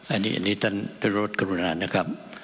อันนี้อันนี้ท่านรถกรุณานะครับ